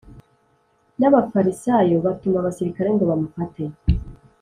n Abafarisayo batuma abasirikare ngo bamufate